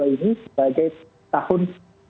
ini sebagai tahun